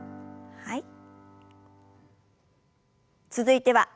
はい。